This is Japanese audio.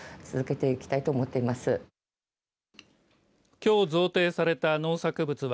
きょう贈呈された農作物は